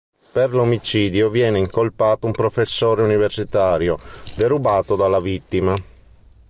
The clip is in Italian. Per l'omicidio viene incolpato un professore universitario, derubato dalla vittima.